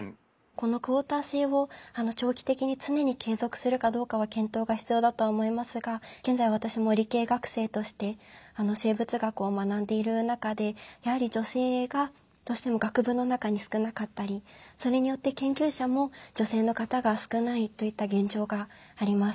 このクオータ制を長期的に常に継続するかどうかは検討が必要だとは思いますが現在私も理系学生として生物学を学んでいる中でやはり女性がどうしても学部の中に少なかったりそれによって研究者も女性の方が少ないといった現状があります。